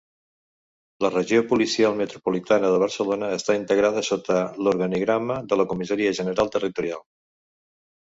La Regió Policial Metropolitana de Barcelona està integrada sota l'organigrama de la Comissaria General Territorial.